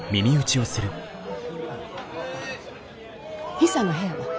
ヒサの部屋は？